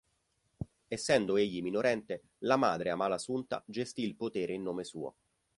Essendo egli minorenne, la madre Amalasunta gestì il potere in nome suo.